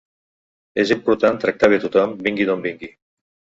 És important tractar bé tothom, vingui d'on vingui.